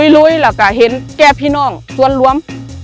ลุยแล้วก็เห็นแก้พี่น้องส่วนรวม